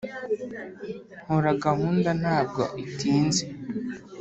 hora gahunda ntabwo itinze